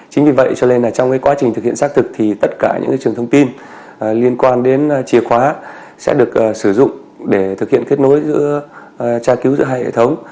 chính vì vậy cho nên trong quá trình thực hiện xác thực thì tất cả những trường thông tin liên quan đến chìa khóa sẽ được sử dụng để thực hiện kết nối giữa tra cứu giữa hai hệ thống